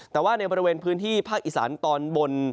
แต่ว่าในบริเวณพื้นที่ภาคอีสานตอนบน